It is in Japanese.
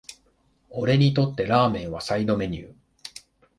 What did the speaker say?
俺にとってラーメンはサイドメニュー